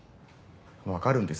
わかるんです。